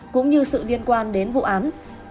cũng như sự liên quan đến vụ án